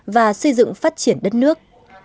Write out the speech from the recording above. và xây dựng phát triển đất nước